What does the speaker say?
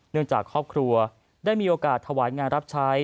จากครอบครัวได้มีโอกาสถวายงานรับใช้